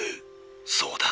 そうだ。